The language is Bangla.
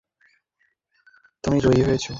আমি তোমার দাসী, আমাকে জয়ী করো, সে জয় তোমারই।